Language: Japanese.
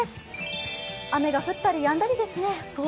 雨が降ったりやんだりですね。